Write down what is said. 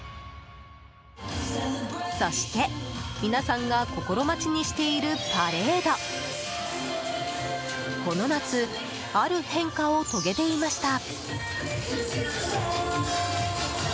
そして、皆さんが心待ちにしているパレードこの夏ある変化を遂げていました。